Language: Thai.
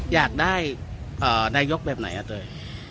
อยากได้นายกแบบไหนอ่ะเตย